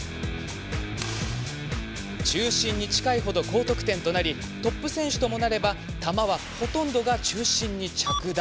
中心に近いほど高得点となりトップ選手ともなれば弾は、ほとんどが中心に着弾。